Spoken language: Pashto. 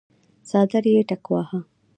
څادر يې ټکواهه.